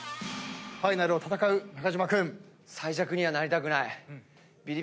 ファイナルを戦う中島君。